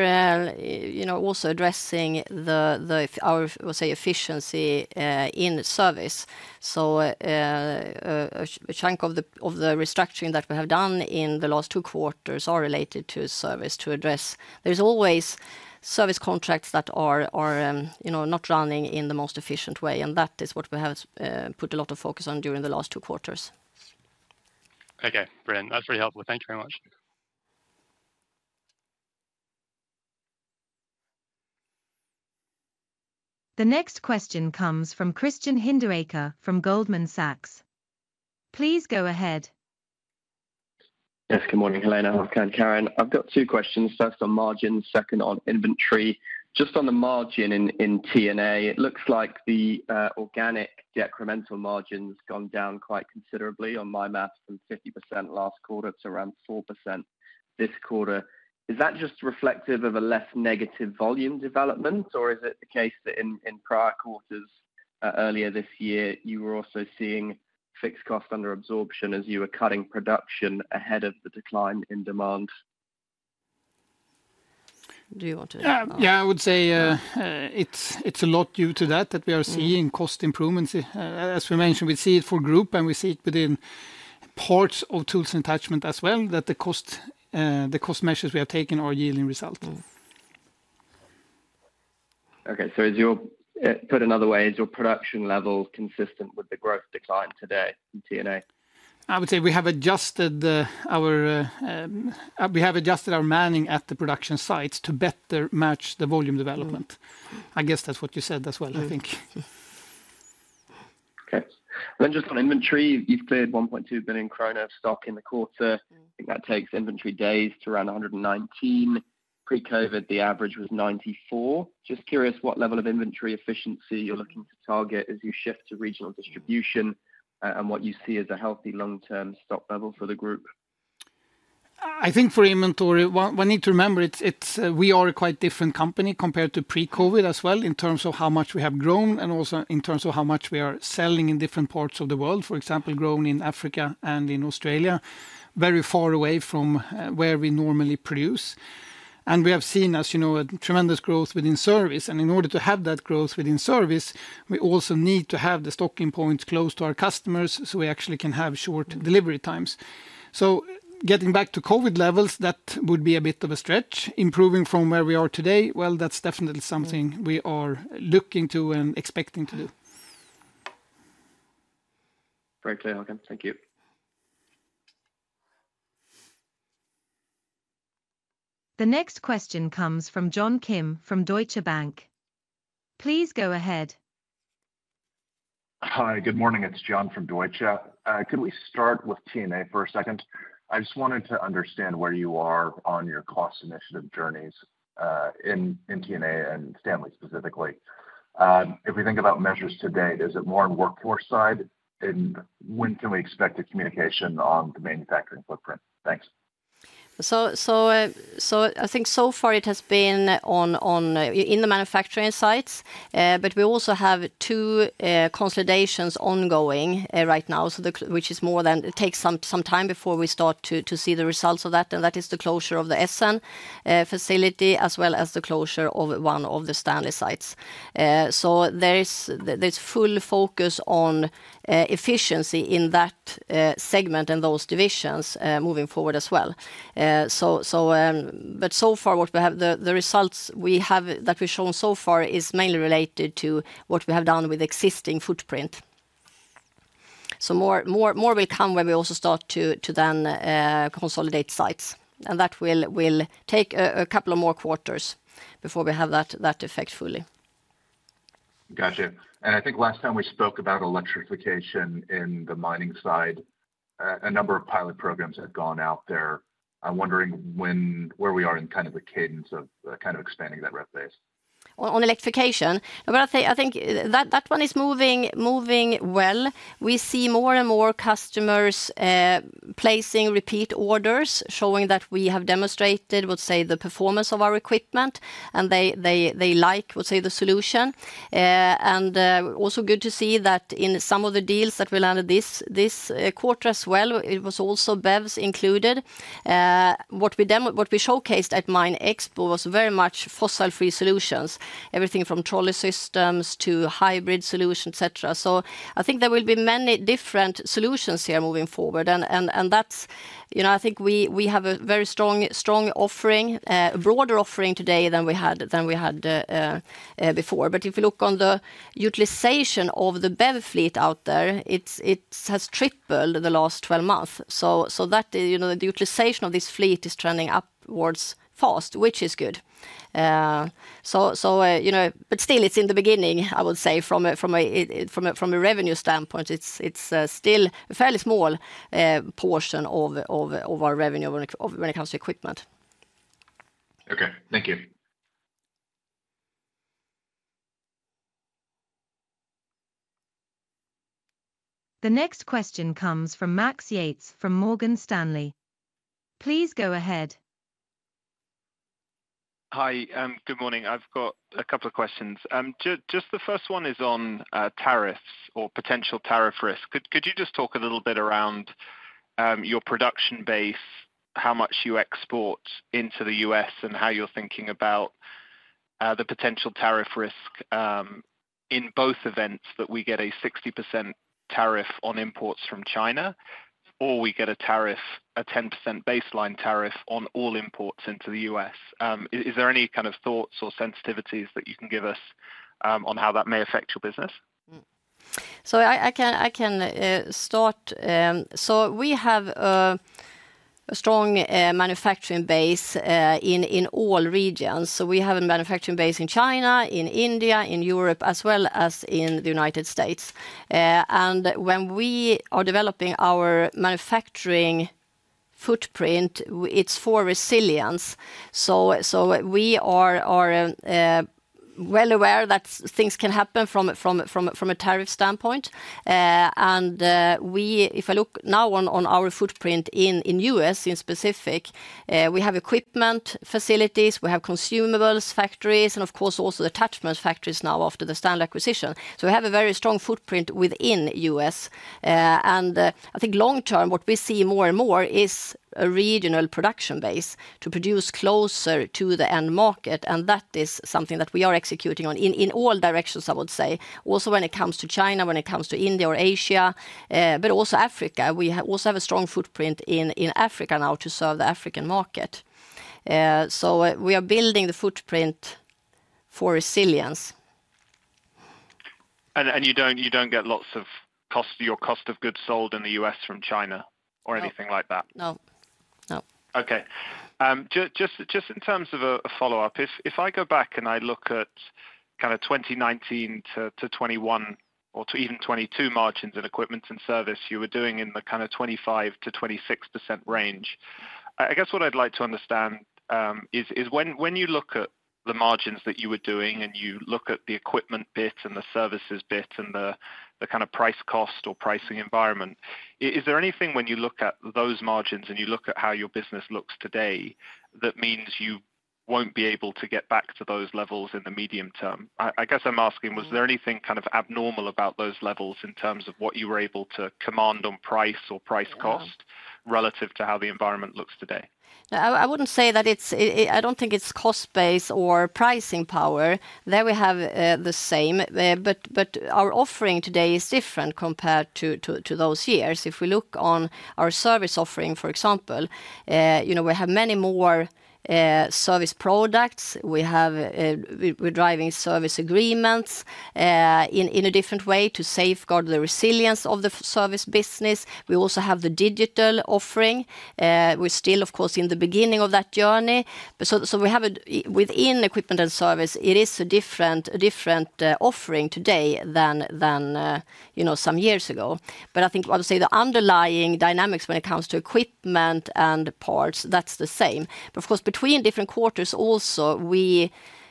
you know, also addressing our, we'll say, efficiency in service, so a chunk of the restructuring that we have done in the last two quarters are related to service to address. There's always service contracts that are, you know, not running in the most efficient way, and that is what we have put a lot of focus on during the last two quarters. Okay, brilliant. That's very helpful. Thank you very much. The next question comes from Christian Hinderaker from Goldman Sachs. Please go ahead. Yes, good morning, Helena and Karin. I've got two questions. First on margin, second on inventory. Just on the margin in TNA, it looks like the organic decremental margin's gone down quite considerably on my math from 50% last quarter to around 4% this quarter. Is that just reflective of a less negative volume development, or is it the case that in prior quarters earlier this year, you were also seeing fixed cost under absorption as you were cutting production ahead of the decline in demand? Do you want to- Yeah, yeah, I would say it's a lot due to that we are seeing cost improvements. As we mentioned, we see it for group, and we see it within parts of tools and attachment as well, that the cost measures we have taken are yielding results. Okay, so is your production level consistent with the growth decline today in TNA? I would say we have adjusted our manning at the production sites to better match the volume development. I guess that's what you said as well, I think. Okay. And then just on inventory, you've cleared 1.2 billion krona of stock in the quarter. I think that takes inventory days to around 119. Pre-COVID, the average was 94. Just curious what level of inventory efficiency you're looking to target as you shift to regional distribution, and what you see as a healthy long-term stock level for the group? I think for inventory, one needs to remember, it's we are a quite different company compared to pre-COVID as well, in terms of how much we have grown and also in terms of how much we are selling in different parts of the world. For example, growing in Africa and in Australia, very far away from where we normally produce, and we have seen, as you know, a tremendous growth within service, and in order to have that growth within service, we also need to have the stocking points close to our customers, so we actually can have short delivery times. Getting back to COVID levels, that would be a bit of a stretch. Improving from where we are today, well, that's definitely something we are looking to and expecting to do. Very clear, Håkan. Thank you. The next question comes from John Kim from Deutsche Bank. Please go ahead. Hi, good morning. It's John from Deutsche. Could we start with TNA for a second? I just wanted to understand where you are on your cost initiative journeys, in TNA and STANLEY specifically. If we think about measures today, is it more on workforce side, and when can we expect a communication on the manufacturing footprint? Thanks. I think so far it has been on in the manufacturing sites. But we also have two consolidations ongoing right now. It takes some time before we start to see the results of that, and that is the closure of the Essen facility, as well as the closure of one of the Stanley sites. There is full focus on efficiency in that segment and those divisions moving forward as well. But so far what we have, the results we have that we've shown so far is mainly related to what we have done with existing footprint. More will come when we also start to then consolidate sites, and that will take a couple of more quarters before we have that effect fully. Gotcha. And I think last time we spoke about electrification in the mining side, a number of pilot programs had gone out there. I'm wondering when, where we are in kind of the cadence of, kind of expanding that ramp base? On electrification? I'm gonna say, I think, that one is moving well. We see more and more customers placing repeat orders, showing that we have demonstrated, we'll say, the performance of our equipment, and they like, we'll say, the solution. And also good to see that in some of the deals that we landed this quarter as well, it was also BEVs included. What we showcased at MINExpo was very much fossil-free solutions, everything from trolley systems to hybrid solutions, et cetera. So I think there will be many different solutions here moving forward, and that's, you know, I think we have a very strong offering, a broader offering today than we had before. But if you look on the utilization of the BEV fleet out there, it has tripled in the last 12 months. So that, you know, the utilization of this fleet is trending upwards fast, which is good. You know, but still it's in the beginning, I would say, from a revenue standpoint, it's still a fairly small portion of our revenue when it comes to equipment. Okay. Thank you. The next question comes from Max Yates from Morgan Stanley. Please go ahead. Hi, good morning. I've got a couple of questions. Just the first one is on tariffs or potential tariff risk. Could you just talk a little bit around your production base, how much you export into the U.S., and how you're thinking about the potential tariff risk, in both events that we get a 60% tariff on imports from China, or we get a 10% baseline tariff on all imports into the U.S.? Is there any kind of thoughts or sensitivities that you can give us on how that may affect your business? So I can start. We have a strong manufacturing base in all regions. We have a manufacturing base in China, in India, in Europe, as well as in the United States. And when we are developing our manufacturing footprint, it's for resilience. We are well aware that things can happen from a tariff standpoint. And we, if I look now on our footprint in the U.S. in specific, we have equipment facilities, we have consumables factories, and of course, also the attachment factories now after the STANLEY acquisition. We have a very strong footprint within the U.S. And I think long term, what we see more and more is a regional production base to produce closer to the end market, and that is something that we are executing on in all directions, I would say. Also, when it comes to China, when it comes to India or Asia, but also Africa. We also have a strong footprint in Africa now to serve the African market. So we are building the footprint for resilience. And you don't get lots of cost, your cost of goods sold in the U.S. from China- No... or anything like that? No. No. Okay. Just in terms of a follow-up, if I go back and I look at kind of 2019-2021 or to even 2022 margins in equipment and service, you were doing in the kind of 25%-26% range. I guess what I'd like to understand is when you look at the margins that you were doing and you look at the equipment bit and the services bit and the kind of price cost or pricing environment, is there anything when you look at those margins and you look at how your business looks today, that means you won't be able to get back to those levels in the medium term? I guess I'm asking- Mm... was there anything kind of abnormal about those levels in terms of what you were able to command on price or price cost? Yeah... relative to how the environment looks today?... I wouldn't say that it's. I don't think it's cost base or pricing power. There we have the same, but our offering today is different compared to those years. If we look on our service offering, for example, you know, we have many more service products. We have, we, we're driving service agreements in a different way to safeguard the resilience of the service business. We also have the digital offering. We're still, of course, in the beginning of that journey. But so we have a, within equipment and service, it is a different offering today than you know, some years ago. But I think, obviously, the underlying dynamics when it comes to equipment and parts, that's the same. But of course, between different quarters also, you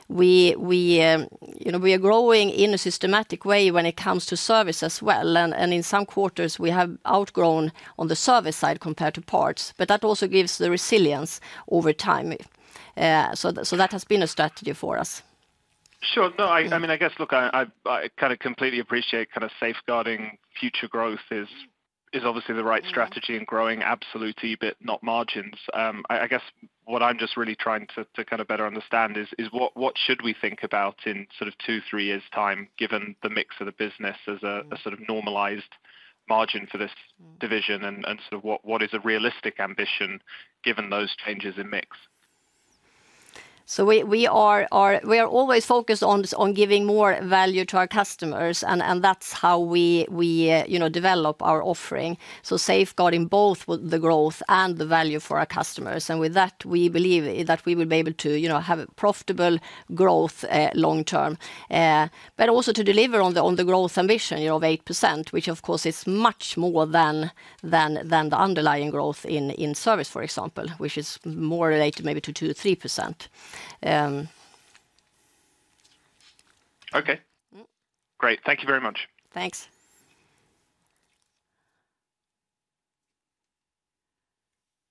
know, we are growing in a systematic way when it comes to service as well. And in some quarters, we have outgrown on the service side compared to parts, but that also gives the resilience over time. So that has been a strategy for us. Sure. No, I mean, I guess, look, I kind of completely appreciate kind of safeguarding future growth is obviously the right strategy in growing absolute EBIT, not margins. I guess what I'm just really trying to kind of better understand is what should we think about in sort of two, three years' time, given the mix of the business as a sort of normalized margin for this division, and sort of what is a realistic ambition, given those changes in mix? We are always focused on just on giving more value to our customers, and that's how we you know develop our offering, so safeguarding both the growth and the value for our customers. With that, we believe that we will be able to you know have a profitable growth long term, but also to deliver on the growth ambition you know of 8%, which of course is much more than the underlying growth in service, for example, which is more related maybe to 2%-3%. Okay. Mm-hmm. Great. Thank you very much. Thanks.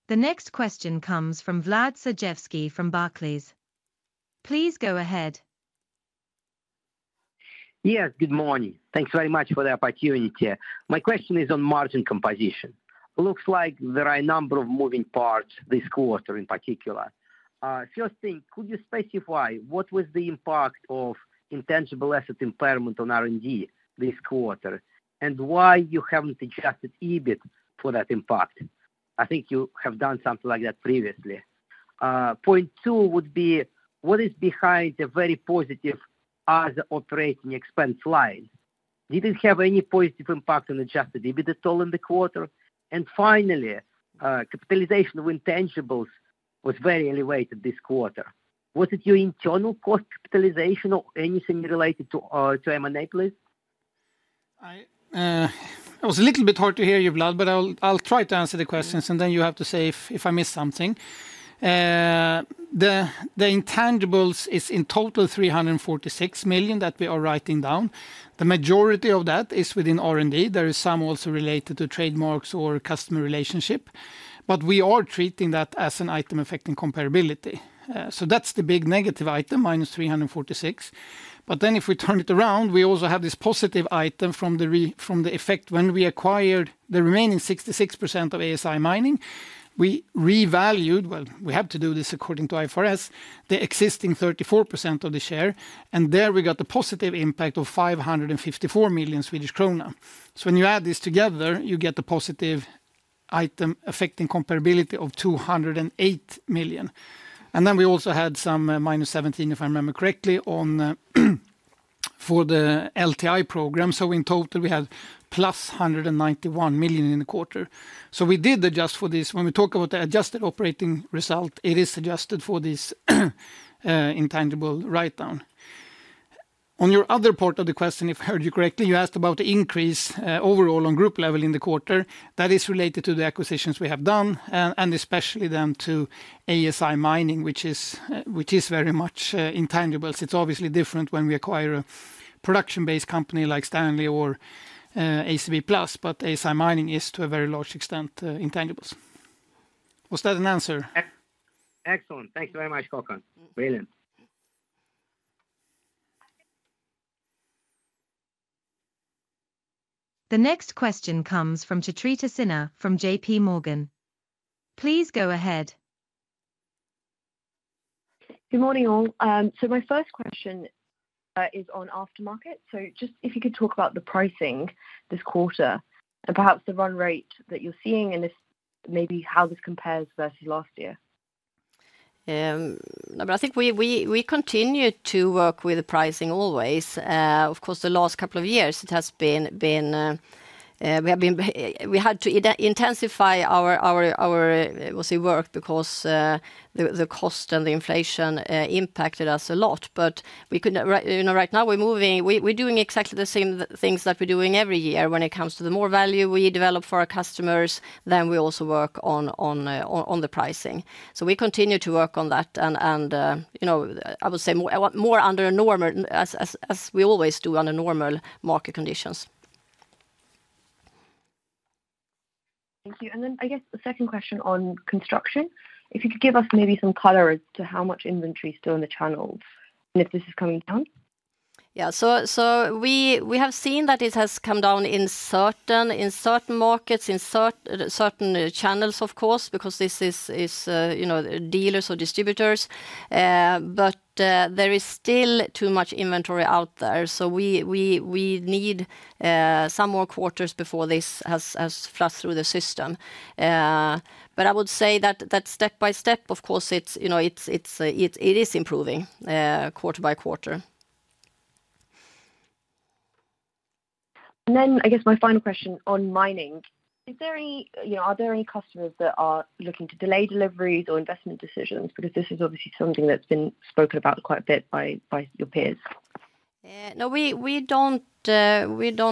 The next question comes from Vlad Sergievskiy from Barclays. Please go ahead. Yes, good morning. Thanks very much for the opportunity. My question is on margin composition. Looks like there are a number of moving parts this quarter, in particular. First thing, could you specify what was the impact of intangible asset impairment on R&D this quarter, and why you haven't adjusted EBIT for that impact? I think you have done something like that previously. Point two would be, what is behind the very positive other operating expense line? Did it have any positive impact on adjusted EBIT at all in the quarter? And finally, capitalization of intangibles was very elevated this quarter. Was it your internal cost capitalization or anything related to, to M&A, please? It was a little bit hard to hear you, Vlad, but I'll try to answer the questions, and then you have to say if I missed something. The intangibles is in total 346 million that we are writing down. The majority of that is within R&D. There is some also related to trademarks or customer relationship, but we are treating that as an item affecting comparability. So that's the big negative item, minus 346 million. But then if we turn it around, we also have this positive item from the effect. When we acquired the remaining 66% of ASI Mining, we revalued. Well, we had to do this according to IFRS, the existing 34% of the share, and there we got the positive impact of 554 million Swedish krona. So when you add this together, you get a positive item affecting comparability of 208 million. And then we also had some, -17 million, if I remember correctly, on, for the LTI program. So in total, we had +191 million in the quarter. So we did adjust for this. When we talk about the adjusted operating result, it is adjusted for this, intangible write-down. On your other part of the question, if I heard you correctly, you asked about the increase, overall on group level in the quarter. That is related to the acquisitions we have done, and especially then to ASI Mining, which is very much, intangibles. It's obviously different when we acquire a production-based company like STANLEY or, ACB+, but ASI Mining is, to a very large extent, intangibles. Was that an answer? Excellent. Thank you very much, Håkan. Brilliant. The next question comes from Chitrita Sinha from JPMorgan. Please go ahead. Good morning, all. So my first question is on aftermarket. So just if you could talk about the pricing this quarter, and perhaps the run rate that you're seeing, and if maybe how this compares versus last year. No, but I think we continue to work with the pricing always. Of course, the last couple of years it has been we have been. We had to intensify our I would say work, because the cost and the inflation impacted us a lot. But we could not you know, right now we're moving, we're doing exactly the same things that we're doing every year when it comes to the more value we develop for our customers, then we also work on the pricing. So we continue to work on that, and you know I would say more under a normal as we always do under normal market conditions. Thank you. And then I guess the second question on construction: If you could give us maybe some color as to how much inventory is still in the channels, and if this is coming down? Yeah, so we have seen that it has come down in certain markets, in certain channels, of course, because this is, you know, dealers or distributors. But there is still too much inventory out there, so we need some more quarters before this has flushed through the system. But I would say that step by step, of course, it's, you know, it's improving quarter by quarter. Then I guess my final question on mining: is there any, you know, are there any customers that are looking to delay deliveries or investment decisions? Because this is obviously something that's been spoken about quite a bit by your peers. No, we don't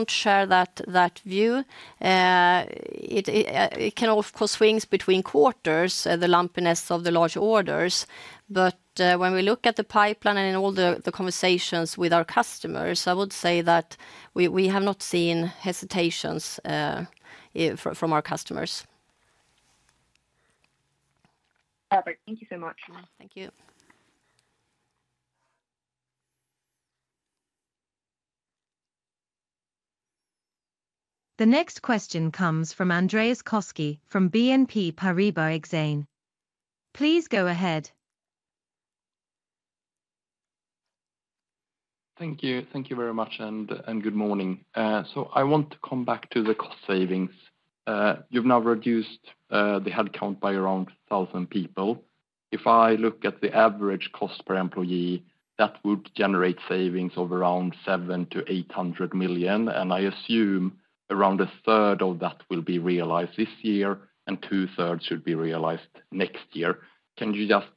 share that view. It can, of course, swings between quarters, the lumpiness of the large orders, but when we look at the pipeline and in all the conversations with our customers, I would say that we have not seen hesitations from our customers. Perfect. Thank you so much. Thank you. The next question comes from Andreas Koski from BNP Paribas Exane. Please go ahead. Thank you. Thank you very much, and good morning. So I want to come back to the cost savings. You've now reduced the headcount by around 1,000 people. If I look at the average cost per employee, that would generate savings of around 700 million-800 million, and I assume around 1/3 of that will be realized this year, and 2/3 should be realized next year. Can you just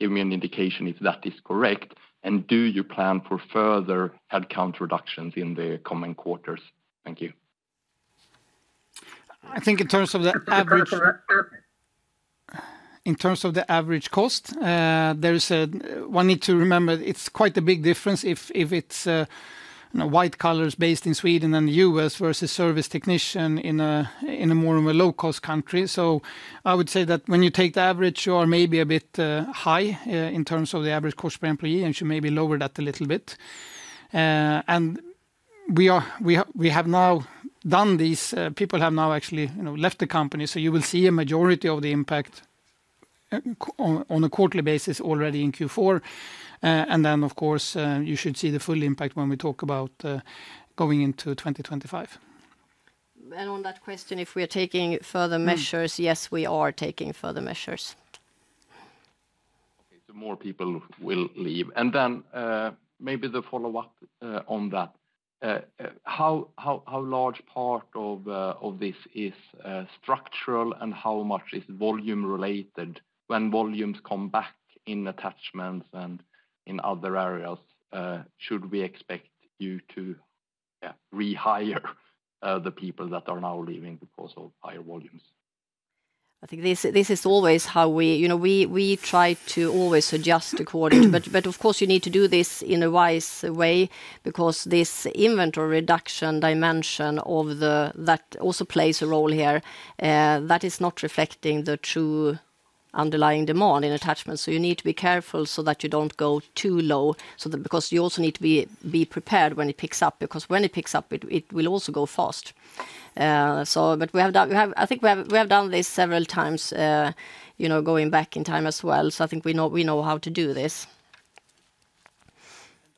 give me an indication if that is correct, and do you plan for further headcount reductions in the coming quarters? Thank you. I think in terms of the average cost, there is one need to remember, it's quite a big difference if, if it's, you know, white collars based in Sweden and the U.S. versus service technician in a, in a more of a low-cost country. So I would say that when you take the average, you are maybe a bit high in terms of the average cost per employee, and should maybe lower that a little bit. And we have now done this. People have now actually, you know, left the company, so you will see a majority of the impact on a quarterly basis already in Q4. And then, of course, you should see the full impact when we talk about going into 2025. On that question, if we are taking further measures, yes, we are taking further measures. Okay, so more people will leave and then maybe the follow-up on that. How large part of this is structural, and how much is volume related? When volumes come back in attachments and in other areas, should we expect you to rehire the people that are now leaving because of higher volumes? I think this is always how we do it. You know, we try to always adjust accordingly. But of course, you need to do this in a wise way, because this inventory reduction dimension of the, that also plays a role here, that is not reflecting the true underlying demand in attachments. So you need to be careful so that you don't go too low, so that, because you also need to be prepared when it picks up. Because when it picks up, it will also go fast. So but we have done. I think we have done this several times, you know, going back in time as well. So I think we know how to do this.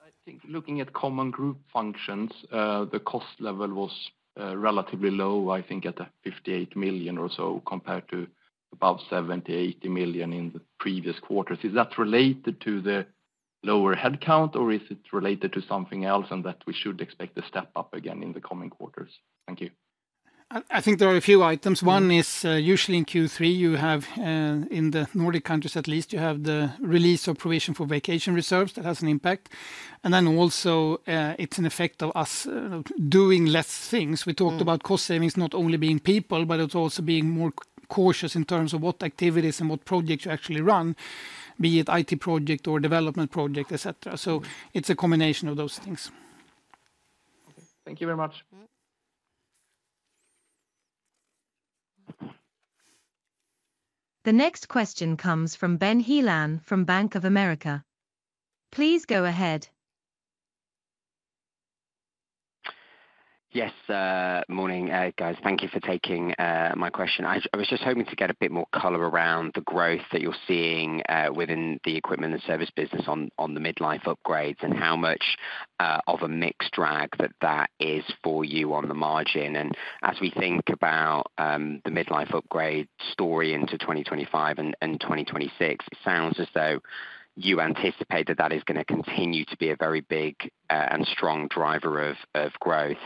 I think looking at common group functions, the cost level was relatively low, I think, at 58 million or so, compared to about 70 million-80 million in the previous quarters. Is that related to the lower headcount, or is it related to something else, and that we should expect to step up again in the coming quarters? Thank you. I think there are a few items. One is, usually in Q3, you have, in the Nordic countries at least, you have the release of provision for vacation reserves. That has an impact. And then also, it's an effect of us, doing less things. Mm. We talked about cost savings not only being people, but it's also being more cautious in terms of what activities and what projects you actually run, be it IT project or development project, et cetera. So it's a combination of those things. Okay. Thank you very much. Mm-hmm. The next question comes from Ben Heelan from Bank of America. Please go ahead. Yes, morning, guys. Thank you for taking my question. I was just hoping to get a bit more color around the growth that you're seeing within the equipment and service business on the mid-life upgrades, and how much of a mixed drag that is for you on the margin. And as we think about the mid-life upgrade story into 2025 and 2026, it sounds as though you anticipate that that is gonna continue to be a very big and strong driver of growth,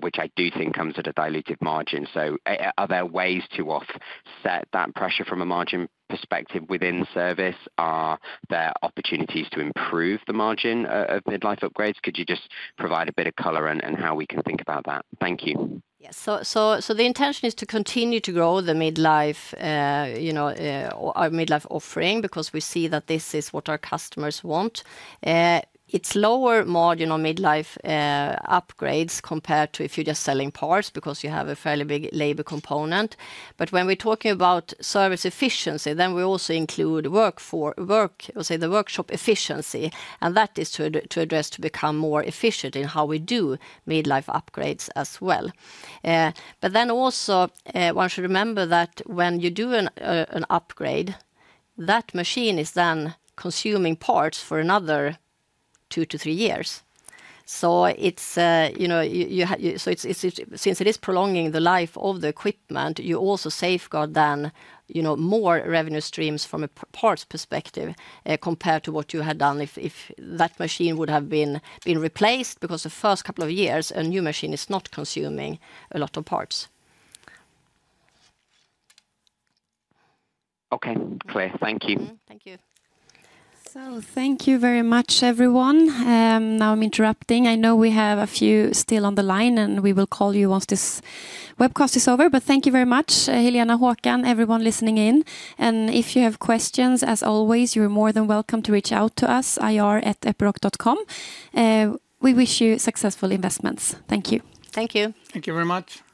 which I do think comes at a diluted margin. So are there ways to offset that pressure from a margin perspective within service? Are there opportunities to improve the margin of mid-life upgrades? Could you just provide a bit of color and how we can think about that? Thank you. Yes. So the intention is to continue to grow the mid-life, you know, our mid-life offering, because we see that this is what our customers want. It's lower margin on mid-life upgrades compared to if you're just selling parts, because you have a fairly big labor component. But when we're talking about service efficiency, then we also include work for the workshop efficiency, I would say, and that is to address, to become more efficient in how we do mid-life upgrades as well. But then also, one should remember that when you do an upgrade, that machine is then consuming parts for another two-three years. So it's, you know, so it's, it... Since it is prolonging the life of the equipment, you also safeguard then, you know, more revenue streams from a parts perspective, compared to what you had done if that machine would have been replaced. Because the first couple of years, a new machine is not consuming a lot of parts. Okay, clear. Thank you. Mm-hmm. Thank you. So thank you very much, everyone. Now I'm interrupting. I know we have a few still on the line, and we will call you once this webcast is over. But thank you very much, Helena, Håkan, everyone listening in. And if you have questions, as always, you are more than welcome to reach out to us, ir@epiroc.com. We wish you successful investments. Thank you. Thank you. Thank you very much.